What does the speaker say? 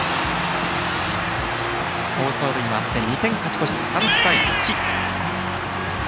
好走塁もあって２点勝ち越し、３対１。